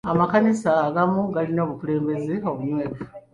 Amakanisa agamu galina obukulembeze obunyweevu.